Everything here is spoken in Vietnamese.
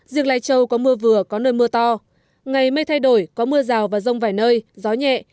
riêng lai châu có mưa vừa có nơi mưa to ngày mây thay đổi có mưa rào và rông vài nơi gió nhẹ